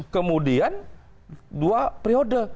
kemudian dua periode